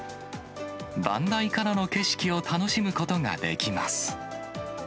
番台からの景色を楽しむことができます。